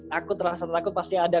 takut rasa takut pasti ada